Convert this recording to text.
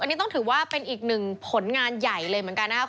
อันนี้ต้องถือว่าเป็นอีกหนึ่งผลงานใหญ่เลยเหมือนกันนะครับ